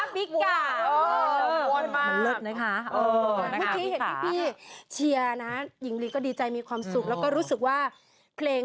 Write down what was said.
บีอิงลีสีโจรสาวสวยที่เราคิดถึง